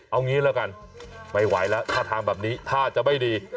เอางี้แล้วกันไม่ไหวแล้วท่าทางแบบนี้ท่าจะไม่ดี